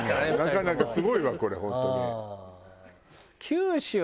なかなかすごいわこれ本当に。